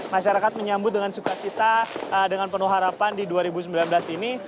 masyarakat menyambut dengan sukacita dengan penuh harapan di dua ribu sembilan belas ini